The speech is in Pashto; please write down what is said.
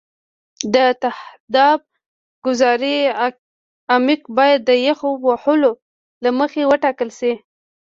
د تهداب ګذارۍ عمق باید د یخ وهلو له مخې وټاکل شي